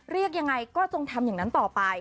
เรียกยังไงก็จงทำอย่างนั้นต่อไป